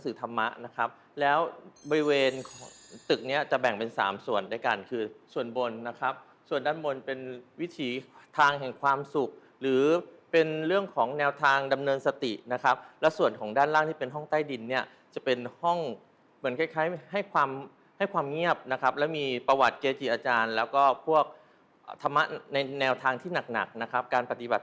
ธรรมะนะครับแล้วบริเวณตึกเนี้ยจะแบ่งเป็นสามส่วนด้วยกันคือส่วนบนนะครับส่วนด้านบนเป็นวิถีทางแห่งความสุขหรือเป็นเรื่องของแนวทางดำเนินสตินะครับแล้วส่วนของด้านล่างที่เป็นห้องใต้ดินเนี่ยจะเป็นห้องเหมือนคล้ายคล้ายให้ความให้ความเงียบนะครับแล้วมีประวัติเกจิอาจารย์แล้วก็พวกธรรมะในแนวทางที่หนักหนักนะครับการปฏิบัติ